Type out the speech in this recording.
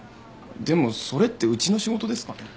でもそれってうちの仕事ですかね。